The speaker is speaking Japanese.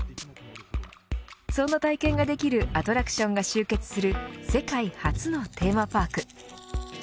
そんな体験ができるアトラクションが集結する世界初のテーマパーク